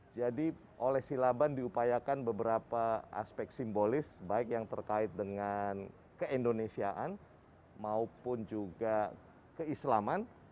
jadi oleh silaban diupayakan beberapa aspek simbolis baik yang terkait dengan keindonesiaan maupun juga keislaman